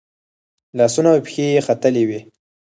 لاسونه او پښې یې ختلي وي.